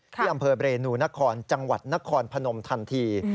ที่อำเภอเรนูนครจังหวัดนครพนมทันที